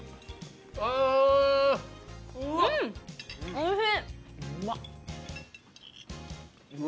おいしい。